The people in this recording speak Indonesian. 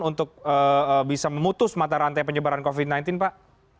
untuk bisa memutus mata rantai penyebaran covid sembilan belas pak